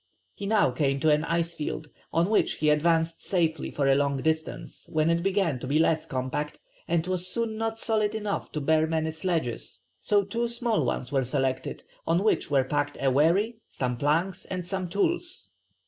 He now came to an icefield, on which he advanced safely for a long distance, when it began to be less compact and was soon not solid enough to bear many sledges, so two small ones were selected, on which were packed a wherry, some planks, and some tools.